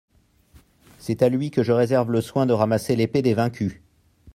C'est à lui que je réserve le soin de ramasser l'épée des vaincus.